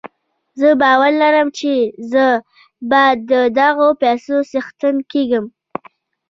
زه باور لرم چې زه به د دغو پيسو څښتن کېږم.